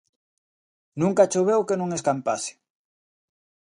Nunca choveu que non escampase.